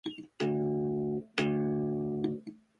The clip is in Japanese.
北海道厚真町